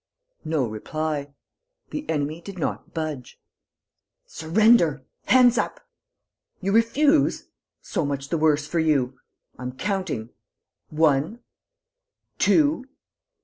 No reply. The enemy did not budge. "Surrender!... Hands up!... You refuse?... So much the worse for you.... I'm counting.... One.... Two...."